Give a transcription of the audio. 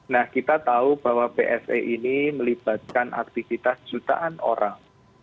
nah kita tahu bahwa pse ini melibatkan aktivitas jutaan orang